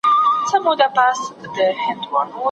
شراب مه څښه.